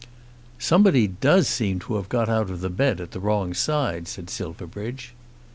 "Somebody does seem to have got out of bed at the wrong side," said Silverbridge.